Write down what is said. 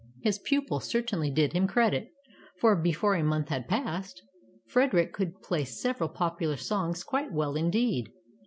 His pupil certainly did him credit, for before a month had passed, Frederick could play several popular songs quite well indeed.